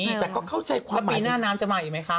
มีแต่ก็เข้าใจความปีหน้าน้ำจะมาอีกไหมคะ